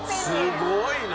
すごいな！